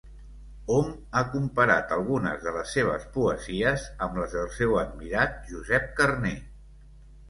Hom ha comparat algunes de les seves poesies amb les del seu admirat Josep Carner.